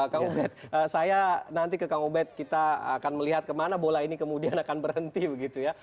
kang ubed saya nanti ke kang ubed kita akan melihat kemana bola ini kemudian akan berhenti begitu ya